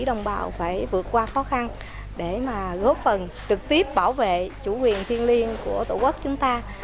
đồng bào phải vượt qua khó khăn để góp phần trực tiếp bảo vệ chủ quyền thiên liêng của tổ quốc chúng ta